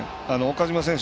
岡島選手